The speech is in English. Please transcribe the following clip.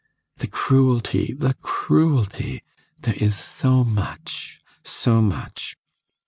The cruelty the cruelty; there is so much, so much!